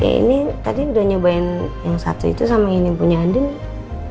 ya ini tadi udah nyobain yang satu itu sama yang punya andi nih